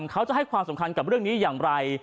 เขาจะให้ความสำคัญกับเรื่องนี้อย่างไร